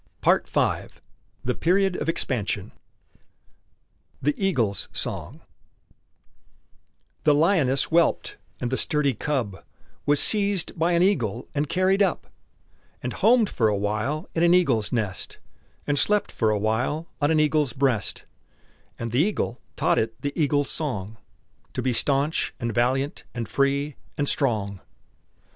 PART V THE PERIOD OF EXPANSION THE EAGLE'S SONG The lioness whelped, and the sturdy cub Was seized by an eagle and carried up, And homed for a while in an eagle's nest, And slept for a while on an eagle's breast; And the eagle taught it the eagle's song: "To be stanch, and valiant, and free, and strong!"